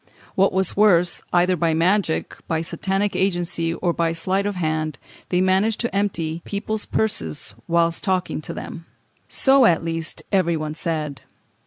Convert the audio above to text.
What was worse, either by magic, by Satanic agency, or by sleight of hand, they managed to empty people's purses whilst talking to them.... So, at least, every one said.